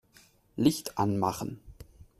Licht anmachen.